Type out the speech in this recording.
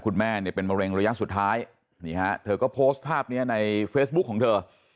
คุณแม่เนี่ยเป็นมะเร็งระยะสุดท้ายนี่ฮะเธอก็โพสต์ภาพนี้ในเฟซบุ๊คของเธอ